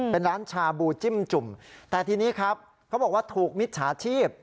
เป็นร้านชาบูจิ้มจุ่มแต่ทีนี้ครับเขาบอกว่าถูกมิจฉาชีพ